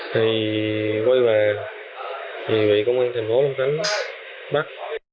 thì quay về thì bị công an tp long khánh bắt